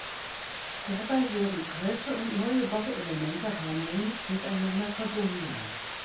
Dabei wurden alte und neue Bauelemente harmonisch miteinander verbunden.